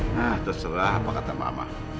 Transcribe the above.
nah terserah apa kata mama